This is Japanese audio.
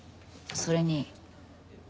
それに？